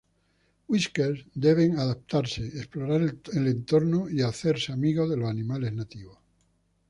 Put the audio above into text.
Whiskers deben adaptarse, explorar el entorno y hacerse amigos de los animales nativos.